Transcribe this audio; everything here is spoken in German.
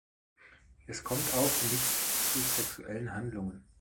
Es kommt auch nicht zu sexuellen Handlungen.